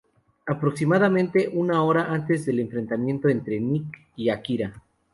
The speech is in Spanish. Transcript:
Aproximadamente una hora antes del enfrentamiento entre Nick y Akira.